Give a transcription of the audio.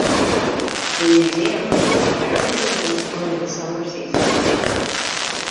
The museum hosts various events during the summer season.